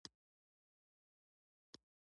د رابندر ناته ټاګور ځینې اثار دادي.